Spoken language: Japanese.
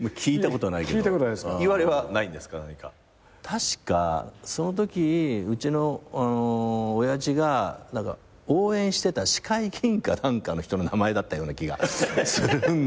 確かそのときうちの親父が応援してた市会議員か何かの人の名前だったような気がする。